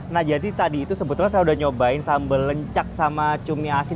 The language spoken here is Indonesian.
nah jadi tadi itu sebetulnya saya udah nyobain sambal lencak sama cumi asin